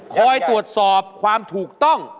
คอยตรวจสอบความถูกต้อง